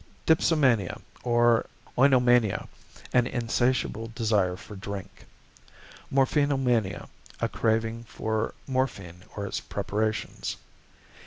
Dipsomania, or Oinomania, an insatiable desire for drink. Morphinomania, a craving for morphine or its preparations.